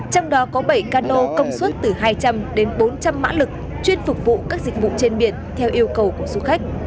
trong đó có bảy cano công suất từ hai trăm linh đến bốn trăm linh mã lực chuyên phục vụ các dịch vụ trên biển theo yêu cầu của du khách